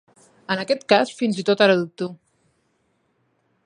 En aquest cas, fins i tot ara dubto.